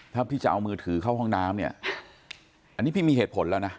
ถ้าพี่จะเอามือถือเข้าห้องน้ำเนี่ยอันนี้พี่มีเหตุผลแล้วนะ